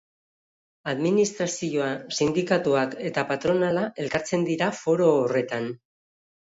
Administrazioa, sindikatuak eta patronala elkartzen dira foro horretan.